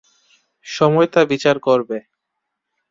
সময় তা বিচার করবে।